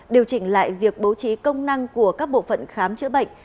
điều chỉnh lại việc bố trí công năng của các bộ phận khám chữa bệnh